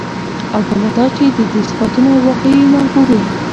او بله دا چې د دې صفتونو او واقعي محبوبې